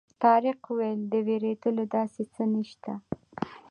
طارق وویل د وېرېدلو داسې څه نه شته.